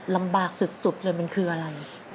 ลำบากสุดเลยมันคืออะไร